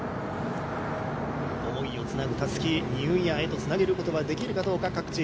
思いをつなぐたすき、ニューイヤーへつなげるかどうか。